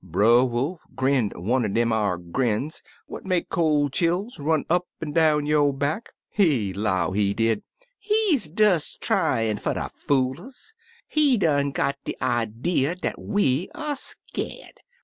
Brer Wolf grinned one dem ar grins what make col' chills run up an' down yo' back. He 'low, he did, *He des tryin' fer ter fool us; he done gpt de idee dat we er skeer'd.